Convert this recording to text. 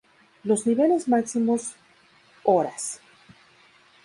Los niveles máximos horas.